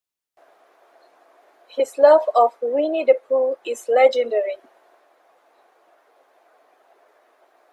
His love of Winnie-the-Pooh is legendary.